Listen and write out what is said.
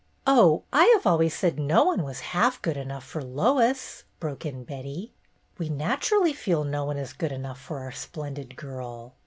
"Oh, I have always said no one was half good enough for Lois," broke in Betty. "We naturally feel no one is good enough for our splendid girl.